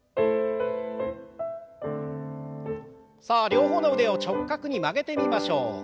さあ両方の腕を直角に曲げてみましょう。